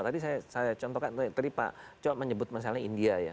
tadi saya contohkan tadi pak cok menyebut masalah india ya